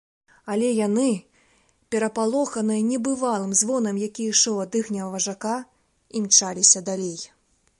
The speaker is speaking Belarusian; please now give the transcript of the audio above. Але яны, перапалоханыя небывалым звонам, які ішоў ад іхняга важака, імчаліся далей.